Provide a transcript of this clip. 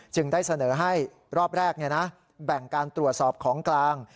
ได้เสนอให้รอบแรกแบ่งการตรวจสอบของกลาง